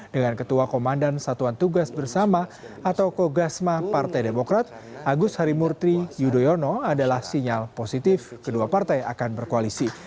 dengan ketua komandan satuan tugas bersama atau kogasma partai demokrat agus harimurti yudhoyono adalah sinyal positif kedua partai akan berkoalisi